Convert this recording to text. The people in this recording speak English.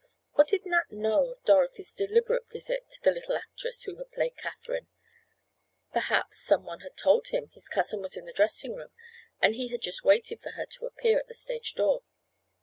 Or did Nat know of Dorothy's deliberate visit to the little actress who had played Katherine? Perhaps some one had told him his cousin was in the dressing room and he had just waited for her to appear at the stage door.